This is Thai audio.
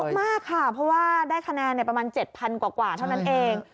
เยอะมากเพราะได้คะแนนประมาณ๗๐๐๐กว่าเท่านั้นเอง